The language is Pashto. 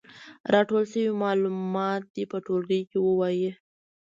راټول شوي معلومات دې په ټولګي کې ووايي.